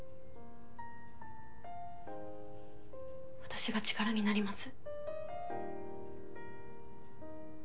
私が力になります。